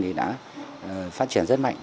thì đã phát triển rất mạnh